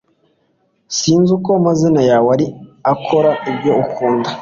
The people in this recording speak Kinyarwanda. sinzi uko amazina yawe ari. a kora ibyo ukunda